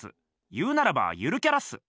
言うならばゆるキャラっす。